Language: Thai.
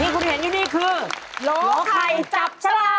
เคยเล่นครับ